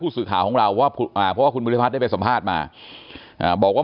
ผู้สื่อข่าวของเราว่าคุณพุธิพัฒน์ได้ไปสัมภาษณ์มาบอกว่า